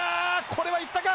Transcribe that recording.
これはいったか？